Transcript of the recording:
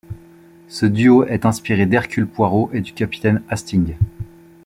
Ce duo est inspiré d'Hercule Poirot et du capitaine Hastings.